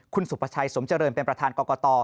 คุณสุภาชัยสมเจริญเป็นประธานกรกต